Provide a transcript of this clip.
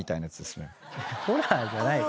ホラーじゃない。